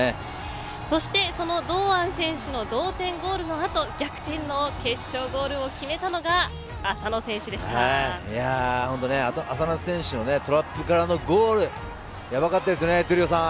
そしてその堂安選手の同点ゴールの後逆転の決勝ゴールを決めたのがいや本当、浅野選手のトラップからのゴールやばかったですね、闘莉王さん。